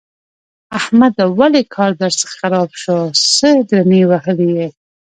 احمده! ولې کار درڅخه خراب شو؛ څه درنې وهلی يې؟!